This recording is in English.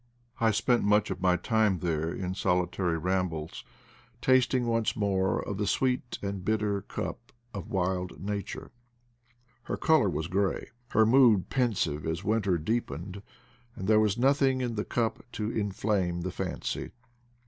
I spent much of my time there in solitary rambles, tasting once more of the "sweet and bitter cup of wild Nature.' * Her color was gray, her mood pensive as winter 84 IDLE DAYS IN PATAGONIA deepened, and there was nothing in the cup to in flame the fancy.